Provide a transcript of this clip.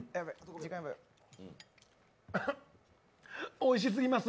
おいしすぎます。